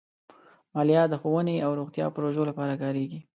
مالیه د ښوونې او روغتیا پروژو لپاره کارېږي.